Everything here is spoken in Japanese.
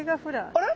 あれ？